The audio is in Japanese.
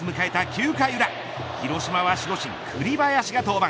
９回裏広島は守護神、栗林が登板。